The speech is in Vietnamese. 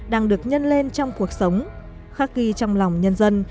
đang được nhân lên trong cuộc sống khắc ghi trong lòng nhân dân